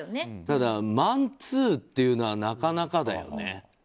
ただ、マンツーっていうのはなかなかだよね。